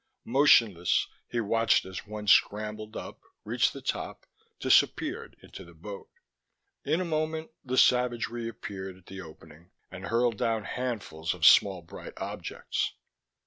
Motionless he watched as one scrambled up, reached the top, disappeared into the boat. In a moment the savage reappeared at the opening and hurled down handfuls of small bright objects.